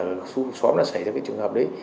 ở xóm đã xảy ra cái trường hợp đấy